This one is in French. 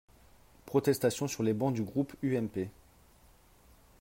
Protestations sur les bancs du groupe UMP.